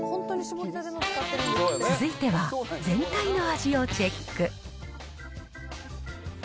続いては全体の味をチェック。